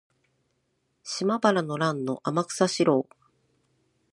島原の乱の天草四郎